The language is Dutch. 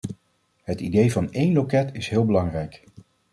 Het idee van één loket is heel belangrijk.